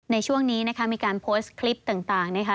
ในช่วงนี้มีการโพสต์คลิปต่าง